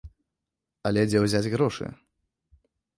Але дзе ўзяць грошы?